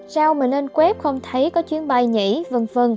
sao mình lên web không thấy có chuyến bay nhảy v v